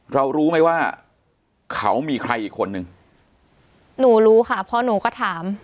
รู้ไหมว่าเขามีใครอีกคนนึงหนูรู้ค่ะเพราะหนูก็ถาม